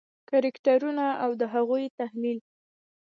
کرکټرونه او د هغوی تحلیل: